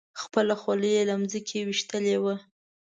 خپله خولۍ یې له ځمکې ویشتلې وه.